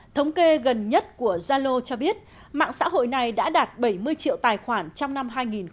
thống kê gần nhất của zalo cho biết mạng xã hội này đã đạt bảy mươi triệu tài khoản trong năm hai nghìn một mươi tám